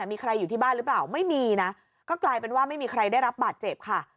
มีใครอยู่ที่บ้านหรือเปล่าไม่มีนะก็กลายเป็นว่าไม่มีใครได้รับบาดเจ็บค่ะ